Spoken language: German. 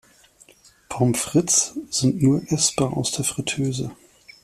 Pommes frites sind nur essbar aus der Friteuse.